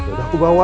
udah aku bawa